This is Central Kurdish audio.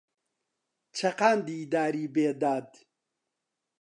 چەقاندی داری بێداد